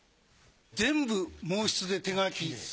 全部毛筆で手書きです。